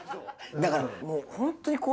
だからもうホントに。